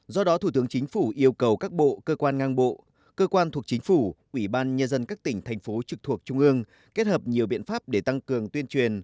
do đó thủ tướng chính phủ yêu cầu các bộ cơ quan ngang bộ cơ quan thuộc chính phủ ủy ban nhân dân các tỉnh thành phố trực thuộc trung ương kết hợp nhiều biện pháp để tăng cường tuyên truyền